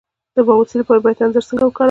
د بواسیر لپاره باید انځر څنګه وکاروم؟